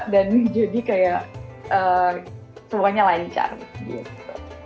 dan jadi kayak semuanya lancar gitu